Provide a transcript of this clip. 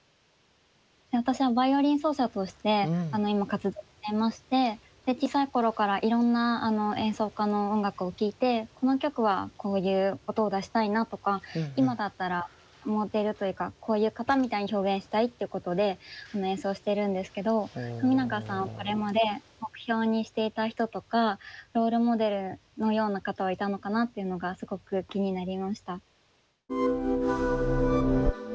私はバイオリン奏者として今活動していまして小さい頃からいろんな演奏家の音楽を聴いてこの曲はこういう音を出したいなとか今だったらモデルというかこういう方みたいに表現したいってことで演奏してるんですけど冨永さんはこれまで目標にしていた人とかロールモデルのような方はいたのかなっていうのがすごく気になりました。